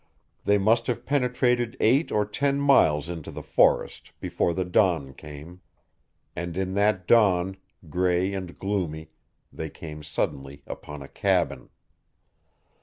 They must have penetrated eight or ten miles into the forest before the dawn came. And in that dawn, gray and gloomy, they came suddenly upon a cabin.